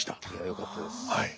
よかったです。